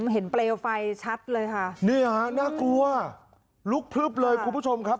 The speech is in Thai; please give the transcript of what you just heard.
เห็นเปลวไฟชัดเลยค่ะนี่ฮะน่ากลัวลุกพลึบเลยคุณผู้ชมครับ